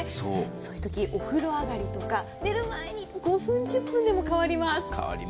そういうとき、お風呂上がりとか寝る前に５分、１０分でも変わります。